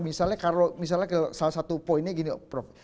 misalnya kalau misalnya salah satu poinnya gini prof